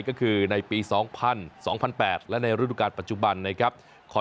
ก็คือในปี๒๐๐๒๐๐๘และในฤดูการปัจจุบันนะครับ